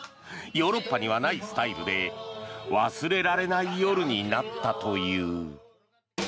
ヨーロッパにはないスタイルで忘れられない夜になったという。